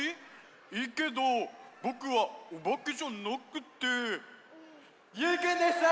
いいけどぼくはおばけじゃなくってゆうくんでした！